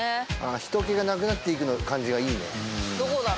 人けがなくなっていく感じがいいね